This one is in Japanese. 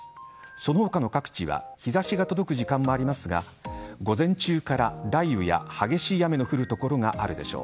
その他の各地は日差しが届く時間がありますが午前中から雷雨や激しい雨の降る所があるでしょう。